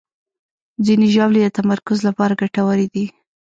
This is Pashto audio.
ځینې ژاولې د تمرکز لپاره ګټورې دي.